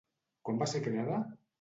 Quan va ser creada?